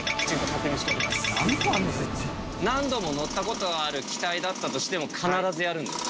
何度も乗ったことがある機体だったとしても必ずやるんですか？